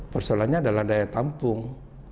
persoalannya adalah daya tampung